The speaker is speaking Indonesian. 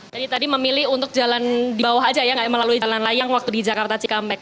jadi tadi memilih untuk jalan di bawah saja ya nggak melalui jalan layang waktu di jakarta cikambek